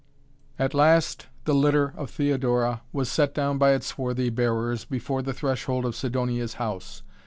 At last the litter of Theodora was set down by its swarthy bearers before the threshold of Sidonia's house.